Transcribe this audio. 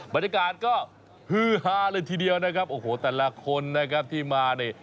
บรรยากาศก็ฮือฮาเลยทีเดียวนะครับโอ้โหแต่ละคนนะครับที่มานี่